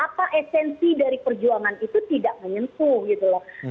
apa esensi dari perjuangan itu tidak menyentuh gitu loh